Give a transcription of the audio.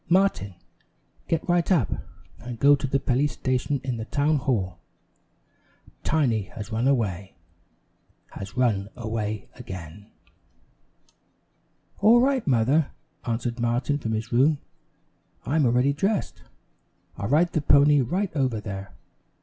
"Martin, get right up, and go to the police station in the town hall. Tiny has run away has run away again!" "All right, Mother," answered Martin from his room. "I'm already dressed, I'll ride the pony right over there."